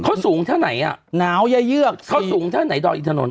เขาสูงเท่าไหนอ่ะหนาวย่าเยือกสูงเท่าไหนดอยอินทนนท์